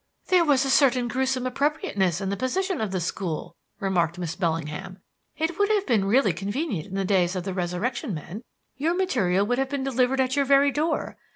"There was a certain gruesome appropriateness in the position of the school," remarked Miss Bellingham. "It would have been really convenient in the days of the resurrection men. Your material would have been delivered at your very door.